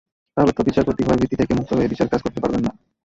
তাহলে তো বিচারপতি ভয়ভীতি থেকে মুক্ত হয়ে বিচারকাজ করতে পারবেন না।